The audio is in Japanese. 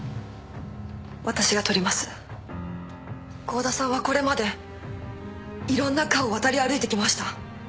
郷田さんはこれまでいろんな科を渡り歩いてきました。